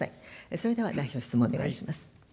それでは代表質問、お願いします。